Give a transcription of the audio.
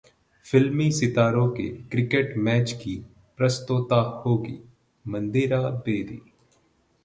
फिल्मी सितारों के क्रिकेट मैच की प्रस्तोता होंगी मंदिरा बेदी